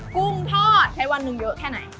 กุ้งทอดใช้วันหนึ่งเยอะแค่ไหน